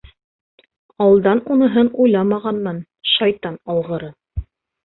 Алдан уныһын уйламағанмын, шайтан алғыры.